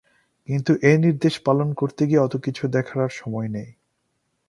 কিন্তু এ নির্দেশ পালন করতে গিয়ে অত কিছু দেখার আর সময় নেই।